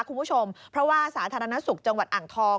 คุณผู้ชมเพราะว่าสาธารณสุขจังหวัดอ่างทอง